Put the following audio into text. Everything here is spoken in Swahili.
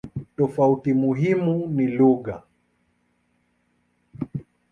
Tofauti muhimu ni lugha.